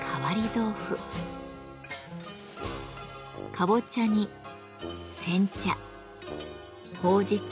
かぼちゃに煎茶ほうじ茶